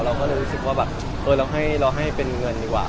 เราก็เลยรู้สึกว่าแบบเออเราให้เป็นเงินดีกว่า